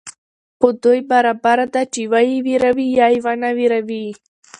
په دوى برابره ده چي وئې وېروې يا ئې ونه وېروې